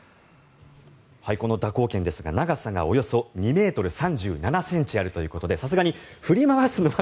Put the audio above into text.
この蛇行剣ですが長さがおよそ２ｍ３７ｃｍあるということでさすがに振り回すのは